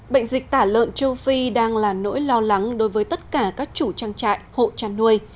bệnh dịch tả lợn châu phi đang là nỗi lo lắng đối với tất cả các chủ trang trại hộ chăn nuôi